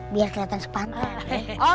biar keliatan sepantaran